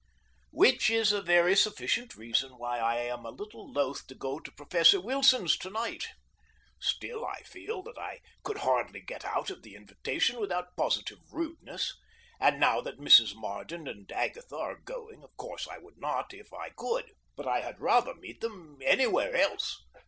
Which is a very sufficient reason why I am a little loath to go to Professor Wilson's tonight. Still I feel that I could hardly get out of the invitation without positive rudeness; and, now that Mrs. Marden and Agatha are going, of course I would not if I could. But I had rather meet them anywhere else.